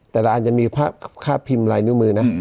แต่ละอันจะมีค่าพิมพ์ลายนิ้วมือนะ